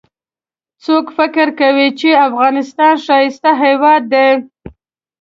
څوک فکر کوي چې افغانستان ښایسته هیواد ده